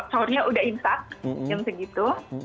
sahurnya udah imsak jam segitu